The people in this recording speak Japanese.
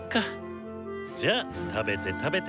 じゃあ食べて食べて！